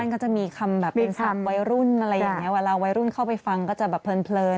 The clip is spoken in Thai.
ก็จะมีคำแบบเป็นคำวัยรุ่นอะไรอย่างนี้เวลาวัยรุ่นเข้าไปฟังก็จะแบบเพลิน